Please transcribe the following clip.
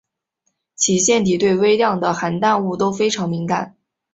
其腺体对微量的含氮物都非常敏感。